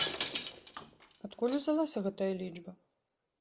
Адкуль узялася гэтая лічба?